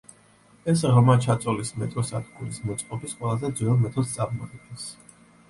ეს ღრმა ჩაწოლის მეტროსადგურის მოწყობის ყველაზე ძველ მეთოდს წარმოადგენს.